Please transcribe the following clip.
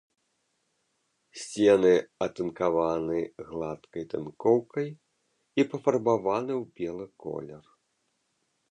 Сцены атынкаваны гладкай тынкоўкай і пафарбаваны ў белы колер.